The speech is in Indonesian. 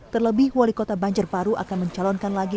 terlebih wali kota banjarparu akan mencalonkan lagi